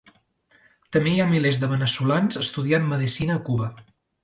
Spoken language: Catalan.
També hi ha milers de veneçolans estudiant medecina a Cuba.